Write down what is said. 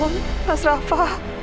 ya ampun mas rafa